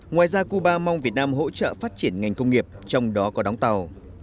ngoài ra cuba mong việt nam hỗ trợ phát triển ngành công nghiệp trong đó có đóng tàu